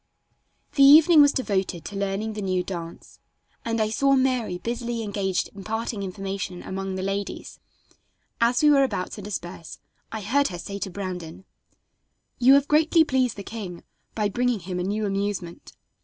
The evening was devoted to learning the new dance, and I saw Mary busily engaged imparting information among the ladies. As we were about to disperse I heard her say to Brandon: "You have greatly pleased the king by bringing him a new amusement.